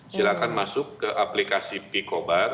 silahkan masuk ke aplikasi picobar